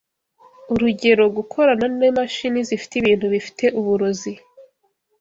urugero gukorana n'imashini zifite ibintu bifite uburozi